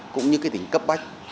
cũng như cái tính cấp bách